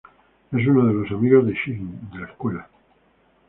Es uno de los amigos de Shinji de la escuela.